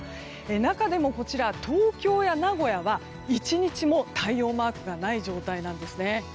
中でもこちら、東京や名古屋は１日も太陽マークがない状態なんですね。